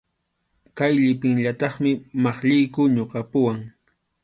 Kay llipintataqmi maqlliyku ñuqapuwan.